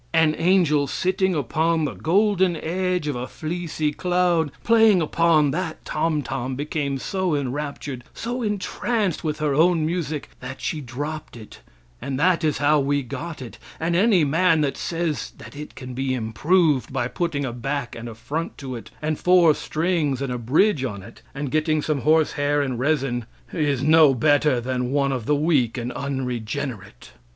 An angel, sitting upon the golden edge of a fleecy cloud, playing upon that tomtom became so enraptured, so entranced with her own music, that she dropped it, and that is how we got it and any man that says that it can be improved by putting a back and front to it, and four strings and a bridge on it, and getting some horsehair and resin, is no better than one of the weak and unregenerate."